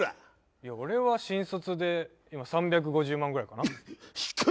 いや俺は新卒で今３５０万ぐらいかな低っ！